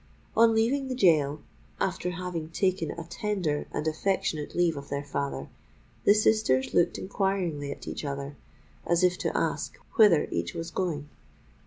On leaving the gaol, after having taken a tender and affectionate leave of their father, the sisters looked inquiringly at each other, as if to ask whither each was going.